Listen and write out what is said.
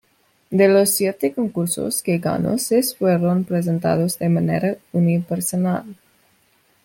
De los siete concursos que ganó, seis fueron presentados de manera unipersonal.